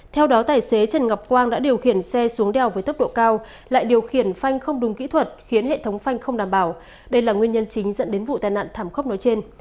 theo đó tài xế trần ngọc quang đã điều khiển xe xuống đèo với tốc độ cao lại điều khiển phanh không đúng kỹ thuật khiến hệ thống phanh không đảm bảo đây là nguyên nhân chính dẫn đến vụ tai nạn thảm khốc nói trên